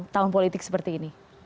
tahun politik seperti ini